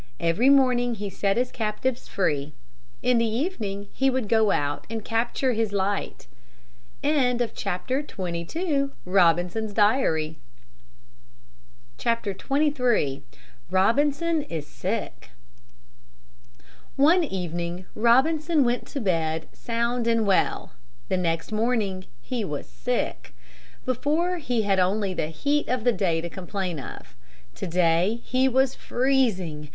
Every morning he set his captives free. In the evening he would go out and capture his light. XXIII ROBINSON IS SICK One evening Robinson went to bed sound and well. The next morning he was sick. Before he had only the heat of the day to complain of. To day he was freezing.